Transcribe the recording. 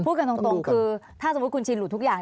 พูดกันตรงคือถ้าสมมุติคุณชินหลุดทุกอย่าง